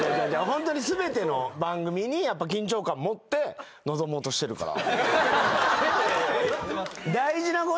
ホントに全ての番組に緊張感持って臨もうとしてるから。